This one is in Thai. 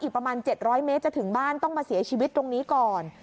ประมาณ๗๐๐เมตรจะถึงบ้านต้องมาเสียชีวิตตรงนี้ก่อน